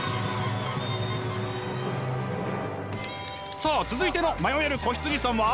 さあ続いての迷える子羊さんは？